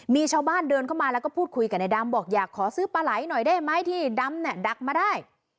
มีชาวบ้านเดินเข้ามาแล้วก็พูดคุยกับนายดำบอกอยากขอซื้อปลาไหลหน่อยได้ไหมที่ดำเนี่ยดักมาได้